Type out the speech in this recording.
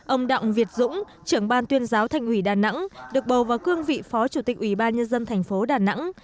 ông đặng việt dũng trưởng ban tuyên giáo thành ủy đà nẵng được bầu vào cương vị phó chủ tịch ủy ban nhân dân thành phố đà nẵng